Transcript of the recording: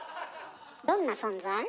どんな存在？